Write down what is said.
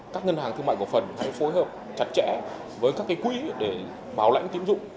các ngân hàng thương mại của phần phải phối hợp chặt chẽ với các cái quý để bảo lãnh kiếm dụng